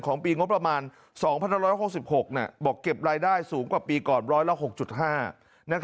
ปีงบประมาณ๒๑๖๖บอกเก็บรายได้สูงกว่าปีก่อนร้อยละ๖๕